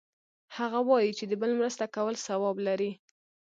هغه وایي چې د بل مرسته کول ثواب لری